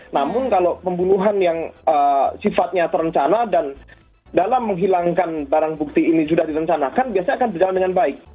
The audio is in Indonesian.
namun kalau pembunuhan yang sifatnya terencana dan dalam menghilangkan barang bukti ini sudah direncanakan biasanya akan berjalan dengan baik